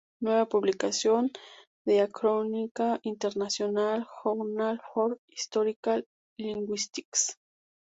Nueva publicación--Diachronica: International Journal for Historical Linguistics.